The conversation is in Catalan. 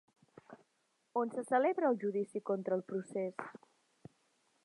On se celebra el judici contra el procés?